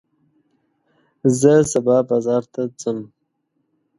زه سبا بازار ته ځم.